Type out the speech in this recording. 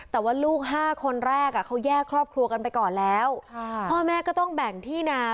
แต่ว่าลูกห้าคนแรกอ่ะเขาแยกครอบครัวกันไปก่อนแล้วพ่อแม่ก็ต้องแบ่งที่นา